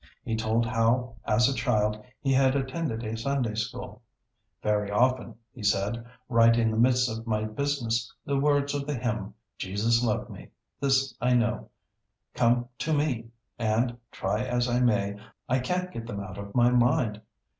He told how as a child he had attended a Sunday School. 'Very often,' he said, 'right in the midst of my business the words of the hymn, "Jesus loves me, this I know," come to me, and, try as I may, I can't get them out of my mind.